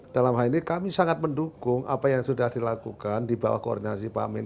dalam hal ini kami sangat mendukung apa yang sudah dilakukan di bawah koordinasi pak amin